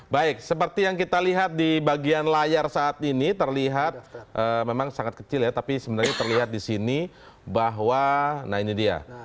baik seperti yang kita lihat di bagian layar saat ini terlihat memang sangat kecil ya tapi sebenarnya terlihat di sini bahwa nah ini dia